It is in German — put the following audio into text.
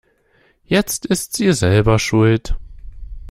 Jetzt ist sie selber schuld.